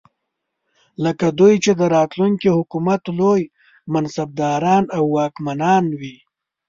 لکه دوی چې د راتلونکي حکومت لوی منصبداران او واکمنان وي.